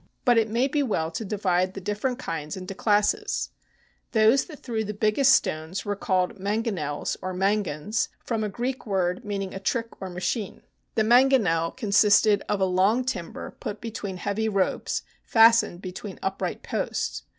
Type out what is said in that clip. But it may be well to divide the different kinds into classes. Those that threw the biggest stones were called " man gonels " or " mangons," from a Greek word mean THE BOOK OF FAMOUS SIEGES ing a trick or machine. The mangonel consisted of a long timber put between heavy ropes fastened between upright posts.